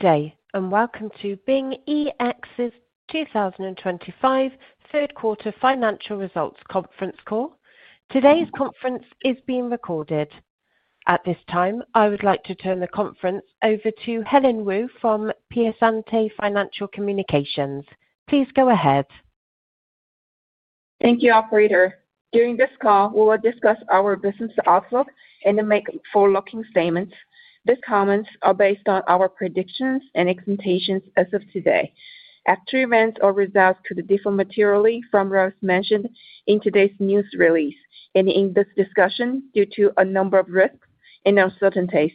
Okay, and welcome to BingEx's 2025 third quarter financial results conference call. Today's conference is being recorded. At this time, I would like to turn the conference over to Helen Wu from Piacente Financial Communications. Please go ahead. Thank you, Operator. During this call, we will discuss our business outlook and the forward-looking statements. These comments are based on our predictions and expectations as of today. After events or results could differ materially from what was mentioned in today's news release, and in this discussion, due to a number of risks and uncertainties,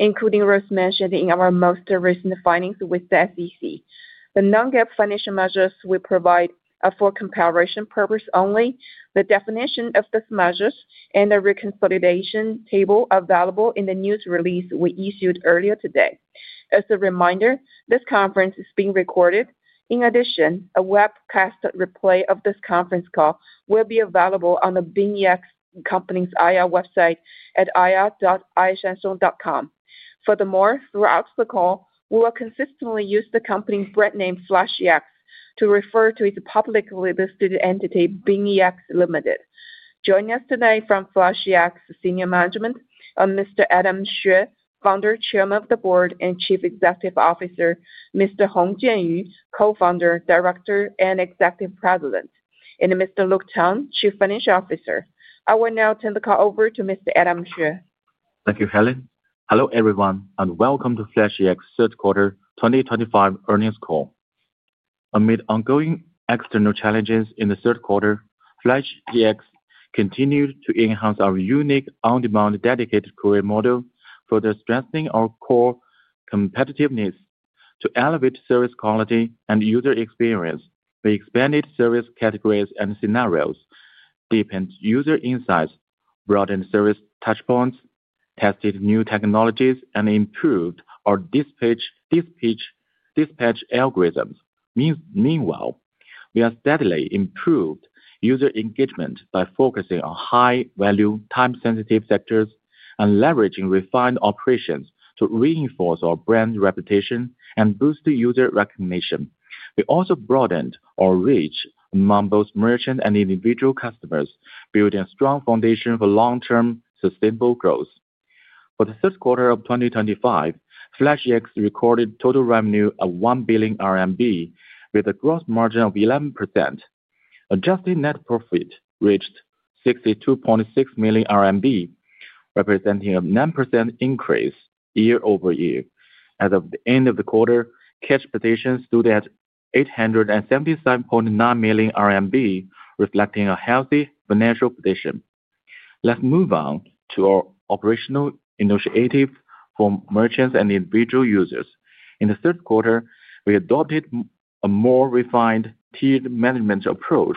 including what was mentioned in our most recent filings with the SEC. The non-GAAP financial measures we provide are for comparison purposes only. The definition of these measures and the reconciliation table are available in the news release we issued earlier today. As a reminder, this conference is being recorded. In addition, a webcast replay of this conference call will be available on the BingEx company's IR website at ir.isancong.com. Furthermore, throughout the call, we will consistently use the company's brand name FlashEx to refer to its publicly listed entity, BingEx Limited. Joining us today from FlashEx senior management are Mr. Adam Xue, Founder, Chairman of the Board and Chief Executive Officer, Mr. Hong Jianyu, Co-Founder, Director, and Executive President, and Mr. Luke Tang, Chief Financial Officer. I will now turn the call over to Mr. Adam Xue. Thank you, Helen. Hello, everyone, and welcome to FlashEx third quarter 2025 earnings call. Amid ongoing external challenges in the third quarter, FlashEx continued to enhance our unique on-demand dedicated courier model, further strengthening our core competitiveness. To elevate service quality and user experience, we expanded service categories and scenarios, deepened user insights, broadened service touchpoints, tested new technologies, and improved our dispatch algorithms. Meanwhile, we have steadily improved user engagement by focusing on high-value, time-sensitive sectors and leveraging refined operations to reinforce our brand reputation and boost user recognition. We also broadened our reach among both merchant and individual customers, building a strong foundation for long-term sustainable growth. For the third quarter of 2025, FlashEx recorded total revenue of 1 billion RMB, with a gross margin of 11%. Adjusted net profit reached 62.6 million RMB, representing a 9% increase year over year. As of the end of the quarter, cash participation stood at 877.9 million RMB, reflecting a healthy financial position. Let's move on to our operational initiative for merchants and individual users. In the third quarter, we adopted a more refined tiered management approach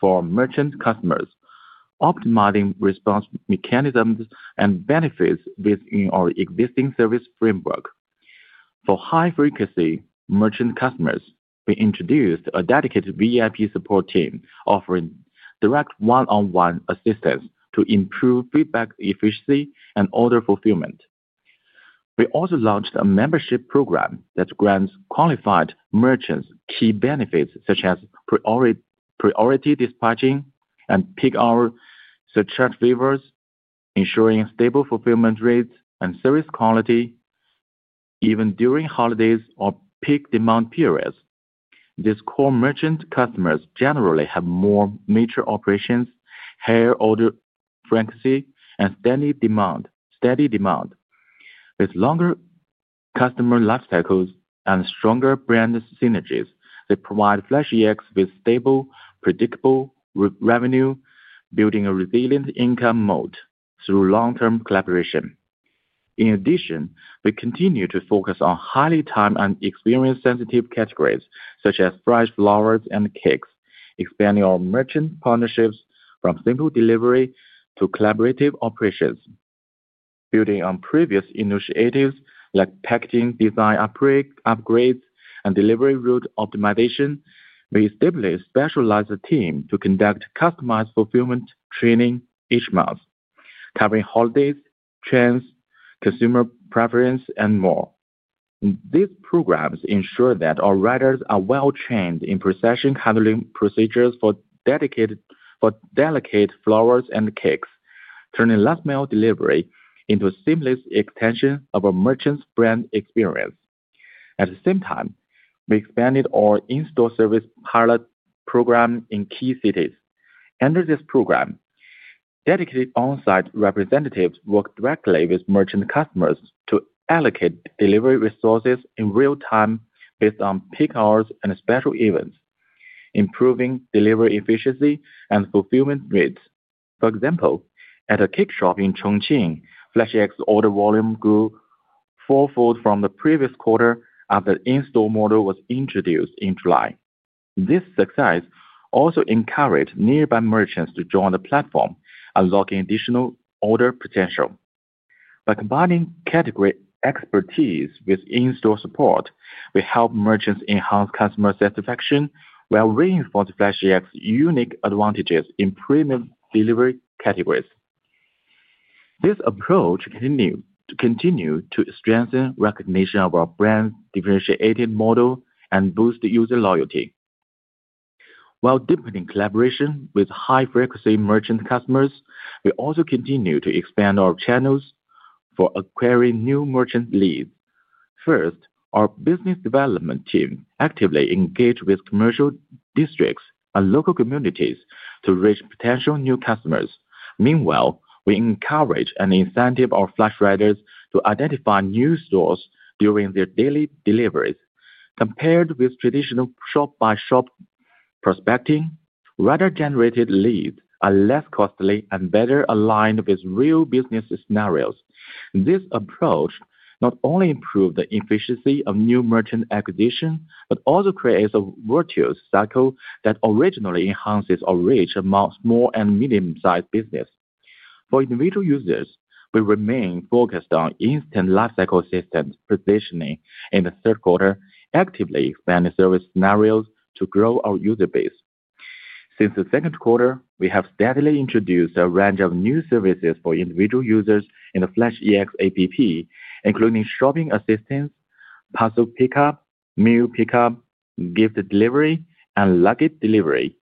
for merchant customers, optimizing response mechanisms and benefits within our existing service framework. For high-frequency merchant customers, we introduced a dedicated VIP support team, offering direct one-on-one assistance to improve feedback efficiency and order fulfillment. We also launched a membership program that grants qualified merchants key benefits such as priority dispatching and peak-hour surcharge waivers, ensuring stable fulfillment rates and service quality even during holidays or peak demand periods. These core merchant customers generally have more major operations, higher order frequency, and steady demand. With longer customer lifecycles and stronger brand synergies, they provide FlashEx with stable, predictable revenue, building a resilient income moat through long-term collaboration. In addition, we continue to focus on highly time and experience-sensitive categories such as fresh flowers and cakes, expanding our merchant partnerships from simple delivery to collaborative operations. Building on previous initiatives like packaging design upgrades and delivery route optimization, we established a specialized team to conduct customized fulfillment training each month, covering holidays, trends, consumer preference, and more. These programs ensure that our writers are well-trained in procession handling procedures for delicate flowers and cakes, turning last-mile delivery into a seamless extension of a merchant's brand experience. At the same time, we expanded our in-store service pilot program in key cities. Under this program, dedicated on-site representatives work directly with merchant customers to allocate delivery resources in real-time based on peak hours and special events, improving delivery efficiency and fulfillment rates. For example, at a cake shop in Chongqing, FlashEx order volume grew fourfold from the previous quarter after the in-store model was introduced in July. This success also encouraged nearby merchants to join the platform, unlocking additional order potential. By combining category expertise with in-store support, we help merchants enhance customer satisfaction while reinforcing FlashEx's unique advantages in premium delivery categories. This approach continues to strengthen recognition of our brand differentiating model and boost user loyalty. While deepening collaboration with high-frequency merchant customers, we also continue to expand our channels for acquiring new merchant leads. First, our business development team actively engages with commercial districts and local communities to reach potential new customers. Meanwhile, we encourage and incentivize our flash writers to identify new stores during their daily deliveries. Compared with traditional shop-by-shop prospecting, writer-generated leads are less costly and better aligned with real business scenarios. This approach not only improves the efficiency of new merchant acquisition but also creates a virtuous cycle that originally enhances our reach among small and medium-sized businesses. For individual users, we remain focused on instant lifecycle assistance positioning in the third quarter, actively expanding service scenarios to grow our user base. Since the second quarter, we have steadily introduced a range of new services for individual users in the FlashEx APP, including shopping assistance, parcel pickup, meal pickup, gift delivery, and luggage delivery.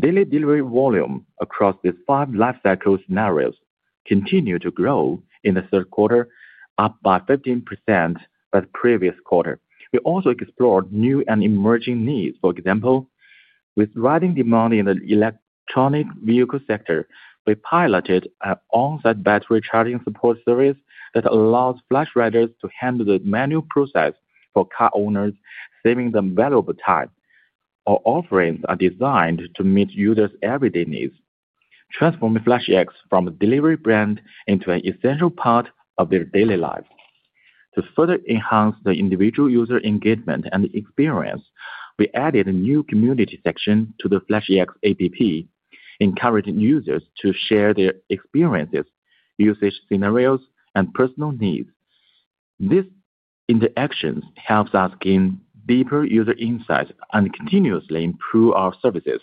Daily delivery volume across these five lifecycle scenarios continued to grow in the third quarter, up by 15% from the previous quarter. We also explored new and emerging needs. For example, with rising demand in the electronic vehicle sector, we piloted an on-site battery charging support service that allows flash writers to handle the manual process for car owners, saving them valuable time. Our offerings are designed to meet users' everyday needs, transforming FlashEx from a delivery brand into an essential part of their daily lives. To further enhance the individual user engagement and experience, we added a new community section to the FlashEx APP, encouraging users to share their experiences, usage scenarios, and personal needs. These interactions help us gain deeper user insights and continuously improve our services.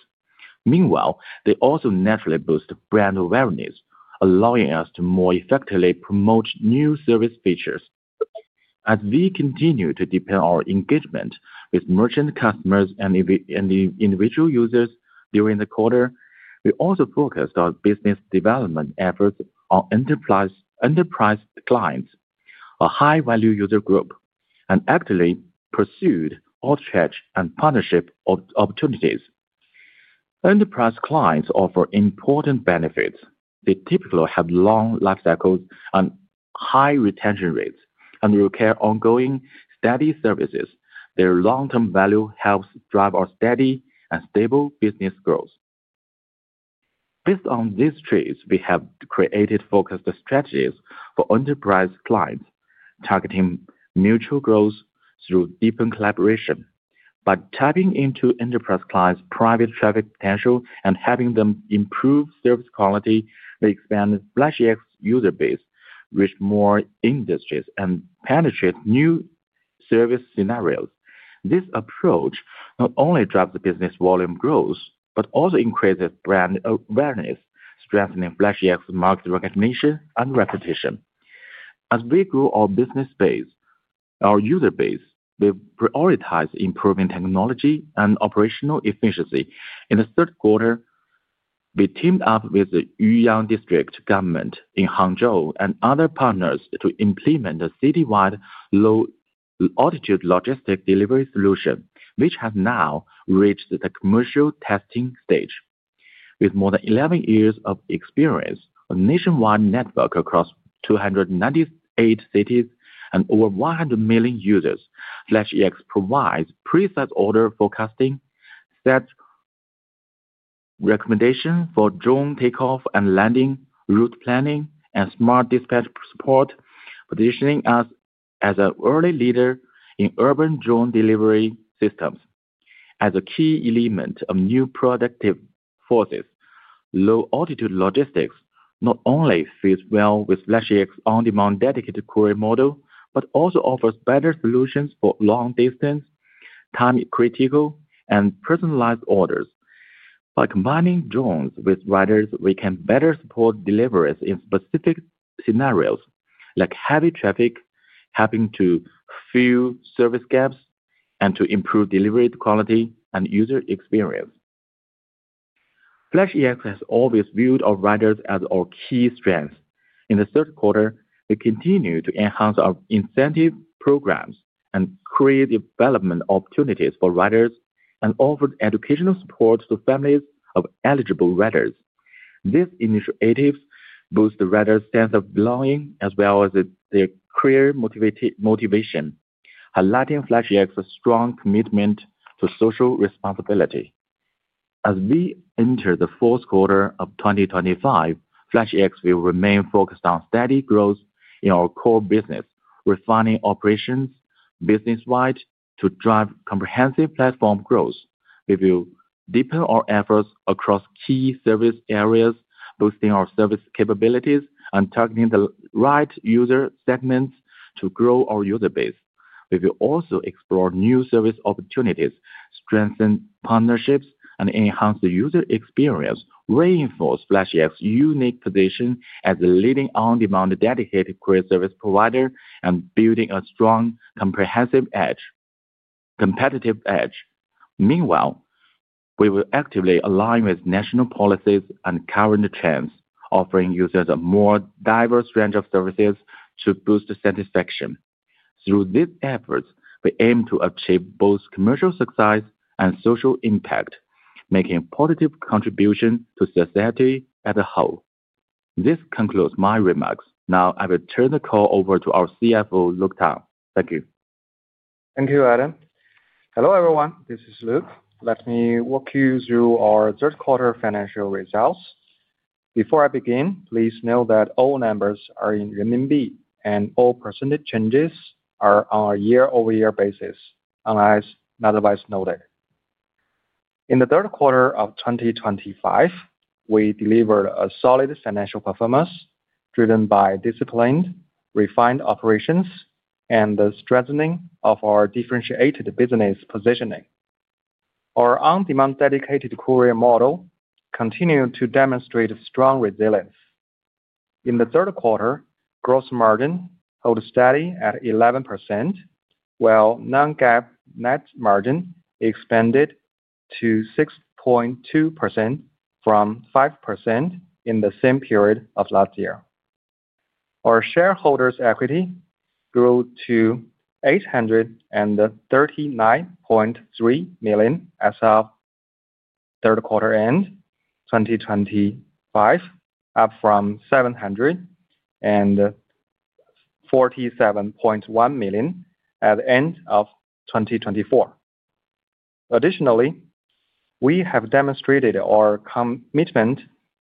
Meanwhile, they also naturally boost brand awareness, allowing us to more effectively promote new service features. As we continue to deepen our engagement with merchant customers and individual users during the quarter, we also focused our business development efforts on enterprise clients, a high-value user group, and actively pursued outreach and partnership opportunities. Enterprise clients offer important benefits. They typically have long lifecycles and high retention rates. Under their ongoing steady services, their long-term value helps drive our steady and stable business growth. Based on these traits, we have created focused strategies for enterprise clients, targeting mutual growth through deepened collaboration. By tapping into enterprise clients' private traffic potential and helping them improve service quality, we expanded FlashEx's user base, reached more industries, and penetrated new service scenarios. This approach not only drives business volume growth but also increases brand awareness, strengthening FlashEx's market recognition and reputation. As we grow our business base, our user base, we prioritize improving technology and operational efficiency. In the third quarter, we teamed up with the Yuyang District government in Hangzhou and other partners to implement a citywide low-altitude logistic delivery solution, which has now reached the commercial testing stage. With more than 11 years of experience, a nationwide network across 298 cities and over 100 million users, FlashEx provides pre-set order forecasting, set recommendations for drone takeoff and landing, route planning, and smart dispatch support, positioning us as an early leader in urban drone delivery systems. As a key element of new productive forces, low-altitude logistics not only fits well with FlashEx's on-demand dedicated courier model but also offers better solutions for long-distance, time-critical, and personalized orders. By combining drones with writers, we can better support deliveries in specific scenarios like heavy traffic, helping to fill service gaps and to improve delivery quality and user experience. FlashEx has always viewed our writers as our key strengths. In the third quarter, we continue to enhance our incentive programs and create development opportunities for writers and offer educational support to families of eligible writers. These initiatives boost the writers' sense of belonging as well as their career motivation, highlighting FlashEx's strong commitment to social responsibility. As we enter the fourth quarter of 2025, FlashEx will remain focused on steady growth in our core business, refining operations business wide to drive comprehensive platform growth. We will deepen our efforts across key service areas, boosting our service capabilities and targeting the right user segments to grow our user base. We will also explore new service opportunities, strengthen partnerships, and enhance the user experience, reinforcing FlashEx's unique position as a leading on-demand dedicated courier service provider and building a strong competitive edge. Meanwhile, we will actively align with national policies and current trends, offering users a more diverse range of services to boost satisfaction. Through these efforts, we aim to achieve both commercial success and social impact, making a positive contribution to society as a whole. This concludes my remarks. Now, I will turn the call over to our CFO, Luke Tang. Thank you. Thank you, Adam. Hello, everyone. This is Luke. Let me walk you through our third-quarter financial results. Before I begin, please note that all numbers are in RMB, and all percentage changes are on a year-over-year basis, unless otherwise noted. In the third quarter of 2025, we delivered a solid financial performance driven by disciplined, refined operations and the strengthening of our differentiated business positioning. Our on-demand dedicated courier model continued to demonstrate strong resilience. In the third quarter, gross margin held steady at 11%, while non-GAAP net margin expanded to 6.2% from 5% in the same period of last year. Our shareholders' equity grew to 839.3 million as of third quarter end 2025, up from 747.1 million at the end of 2024. Additionally, we have demonstrated our commitment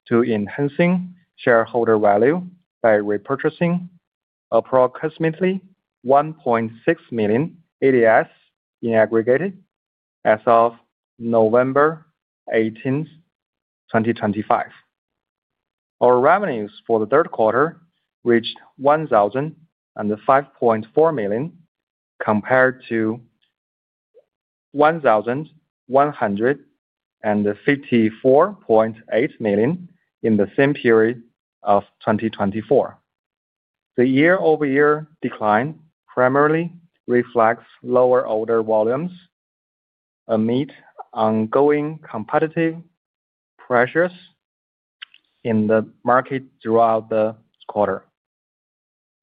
to enhancing shareholder value by repurchasing approximately 1.6 million ADS in aggregate as of November 18, 2025. Our revenues for the third quarter reached 1,005.4 million compared to 1,154.8 million in the same period of 2024. The year-over-year decline primarily reflects lower order volumes amid ongoing competitive pressures in the market throughout the quarter.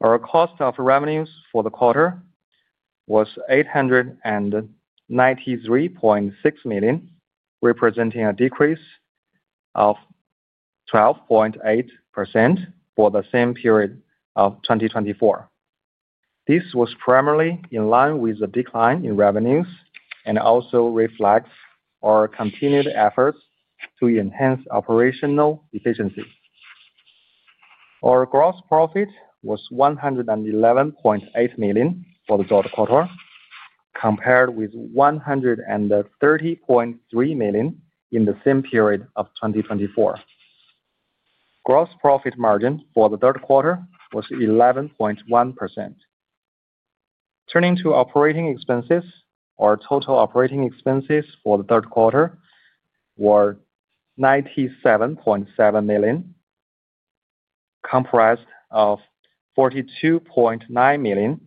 Our cost of revenues for the quarter was 893.6 million, representing a decrease of 12.8% for the same period of 2024. This was primarily in line with the decline in revenues and also reflects our continued efforts to enhance operational efficiency. Our gross profit was 111.8 million for the third quarter, compared with 130.3 million in the same period of 2024. Gross profit margin for the third quarter was 11.1%. Turning to operating expenses, our total operating expenses for the third quarter were 97.7 million, comprised of 42.9 million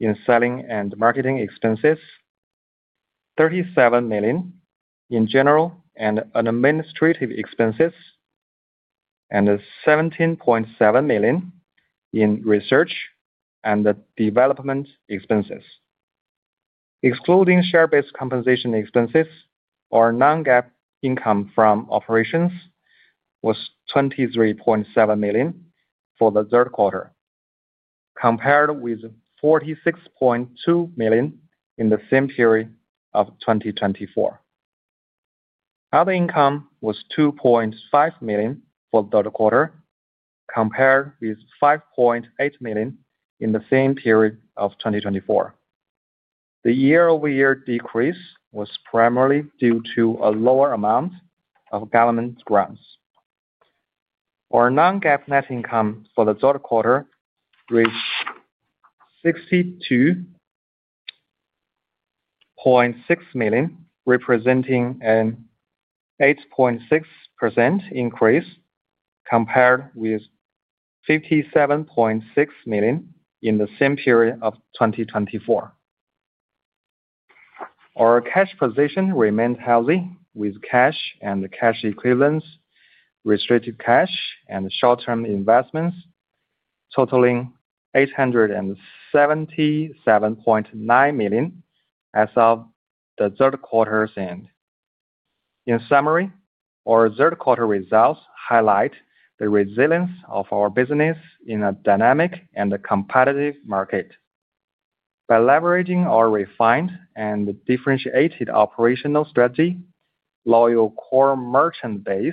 in selling and marketing expenses, 37 million in general and administrative expenses, and 17.7 million in research and development expenses. Excluding share-based compensation expenses, our non-GAAP income from operations was 23.7 million for the third quarter, compared with 46.2 million in the same period of 2023. Other income was 2.5 million for the third quarter, compared with 5.8 million in the same period of 2023. The year-over-year decrease was primarily due to a lower amount of government grants. Our non-GAAP net income for the third quarter reached RMB 62.6 million, representing an 8.6% increase, compared with 57.6 million in the same period of 2023. Our cash position remained healthy, with cash and cash equivalents, restricted cash, and short-term investments totaling 877.9 million as of the third quarter's end. In summary, our third-quarter results highlight the resilience of our business in a dynamic and competitive market. By leveraging our refined and differentiated operational strategy, loyal core merchant base,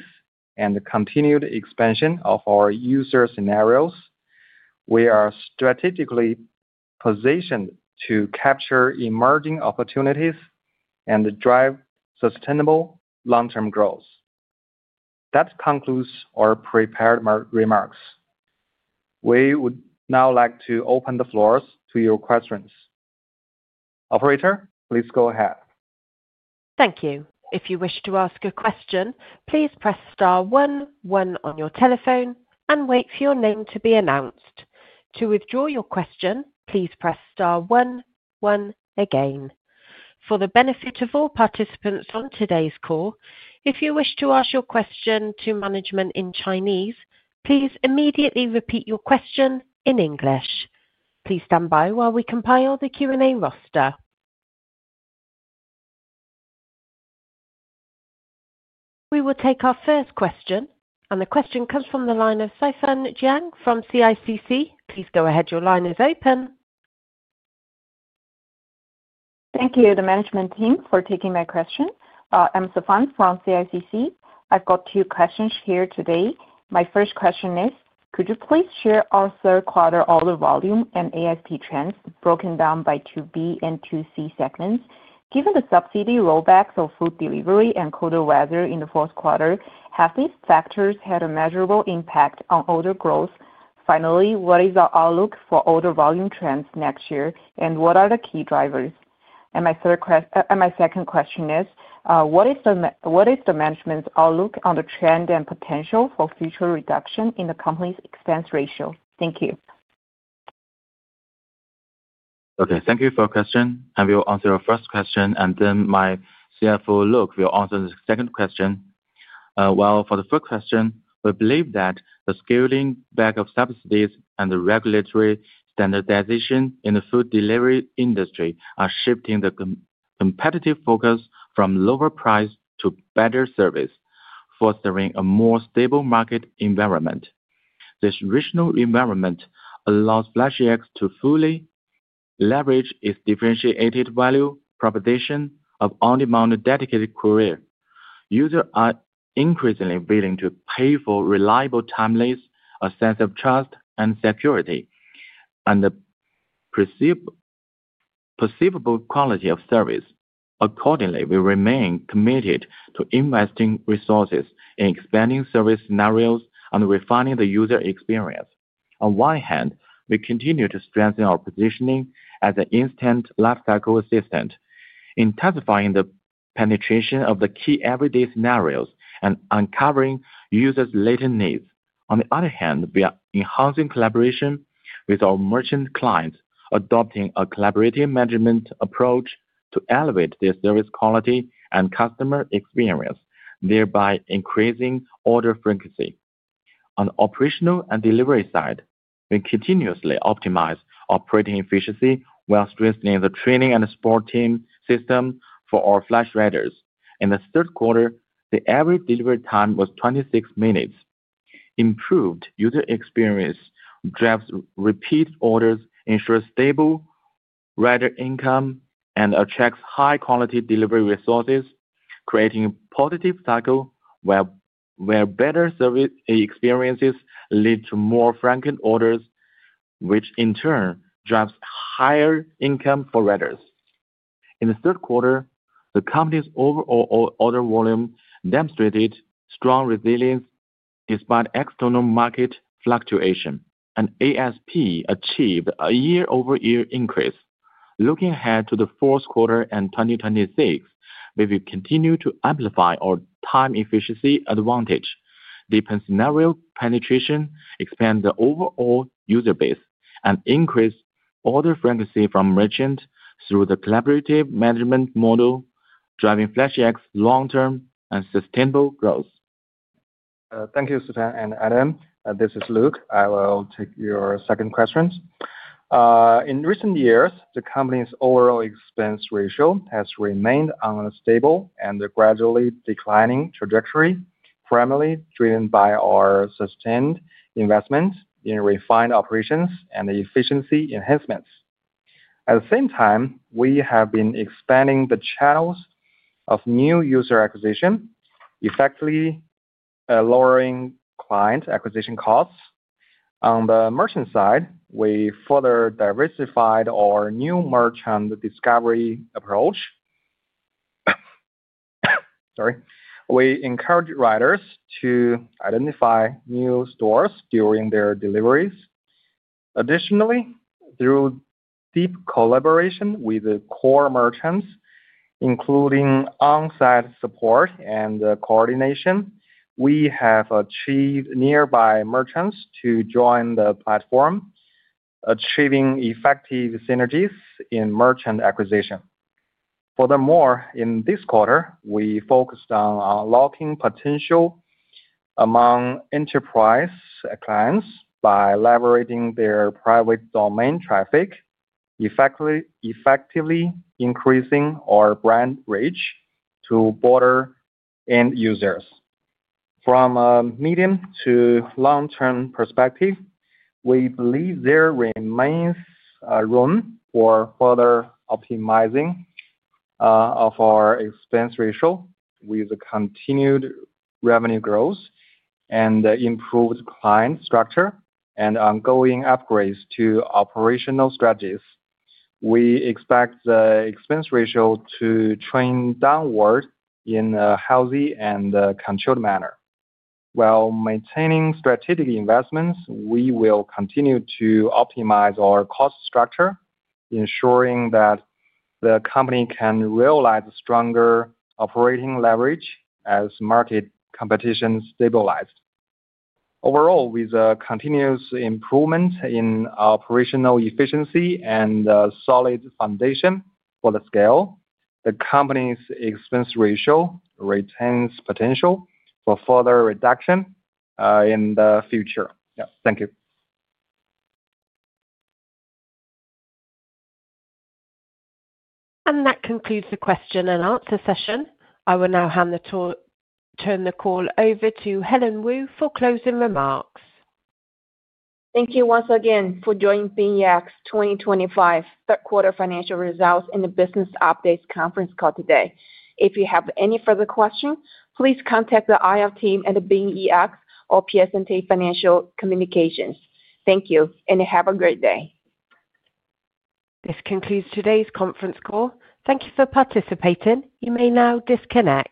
and continued expansion of our user scenarios, we are strategically positioned to capture emerging opportunities and drive sustainable long-term growth. That concludes our prepared remarks. We would now like to open the floor to your questions. Operator, please go ahead. Thank you. If you wish to ask a question, please press star one, one on your telephone and wait for your name to be announced. To withdraw your question, please press star one, one again. For the benefit of all participants on today's call, if you wish to ask your question to management in Chinese, please immediately repeat your question in English. Please stand by while we compile the Q&A roster. We will take our first question, and the question comes from the line of Saifan Jiang from CICC. Please go ahead. Your line is open. Thank you, the management team, for taking my question. I'm Saifan from CICC. I've got two questions here today. My first question is, could you please share our third-quarter order volume and ASP trends broken down by 2B and 2C segments? Given the subsidy rollbacks of food delivery and colder weather in the fourth quarter, have these factors had a measurable impact on order growth? Finally, what is our outlook for order volume trends next year, and what are the key drivers? My second question is, what is the management's outlook on the trend and potential for future reduction in the company's expense ratio? Thank you. Okay. Thank you for your question. I will answer your first question, and then my CFO, Luke, will answer the second question. For the first question, we believe that the scaling back of subsidies and the regulatory standardization in the food delivery industry are shifting the competitive focus from lower price to better service, fostering a more stable market environment. This regional environment allows FlashEx to fully leverage its differentiated value proposition of on-demand dedicated courier. Users are increasingly willing to pay for reliable timeliness, a sense of trust, and security, and the perceivable quality of service. Accordingly, we remain committed to investing resources in expanding service scenarios and refining the user experience. On one hand, we continue to strengthen our positioning as an instant lifecycle assistant, intensifying the penetration of the key everyday scenarios and uncovering users' latent needs. On the other hand, we are enhancing collaboration with our merchant clients, adopting a collaborative management approach to elevate their service quality and customer experience, thereby increasing order frequency. On the operational and delivery side, we continuously optimize operating efficiency while strengthening the training and support team system for our flash writers. In the third quarter, the average delivery time was 26 minutes. Improved user experience drives repeat orders, ensures stable writer income, and attracts high-quality delivery resources, creating a positive cycle where better service experiences lead to more franking orders, which in turn drives higher income for writers. In the third quarter, the company's overall order volume demonstrated strong resilience despite external market fluctuation, and ASP achieved a year-over-year increase. Looking ahead to the fourth quarter and 2026, we will continue to amplify our time efficiency advantage, deepen scenario penetration, expand the overall user base, and increase order frequency from merchant through the collaborative management model, driving FlashEx's long-term and sustainable growth. Thank you, Saifan and Adam. This is Luke. I will take your second question. In recent years, the company's overall expense ratio has remained on a stable and gradually declining trajectory, primarily driven by our sustained investment in refined operations and efficiency enhancements. At the same time, we have been expanding the channels of new user acquisition, effectively lowering client acquisition costs. On the merchant side, we further diversified our new merchant discovery approach. Sorry. We encourage writers to identify new stores during their deliveries. Additionally, through deep collaboration with core merchants, including on-site support and coordination, we have achieved nearby merchants to join the platform, achieving effective synergies in merchant acquisition. Furthermore, in this quarter, we focused on unlocking potential among enterprise clients by leveraging their private domain traffic, effectively increasing our brand reach to border end users. From a medium to long-term perspective, we believe there remains room for further optimizing of our expense ratio with continued revenue growth and improved client structure and ongoing upgrades to operational strategies. We expect the expense ratio to trend downward in a healthy and controlled manner. While maintaining strategic investments, we will continue to optimize our cost structure, ensuring that the company can realize stronger operating leverage as market competition stabilizes. Overall, with continuous improvement in operational efficiency and a solid foundation for the scale, the company's expense ratio retains potential for further reduction in the future. Thank you. That concludes the question and answer session. I will now turn the call over to Helen Wu for closing remarks. Thank you once again for joining BingEx 2025 third-quarter financial results and the business updates conference call today. If you have any further questions, please contact the IR team at BingEx or Piacente Financial Communications. Thank you, and have a great day. This concludes today's conference call. Thank you for participating. You may now disconnect.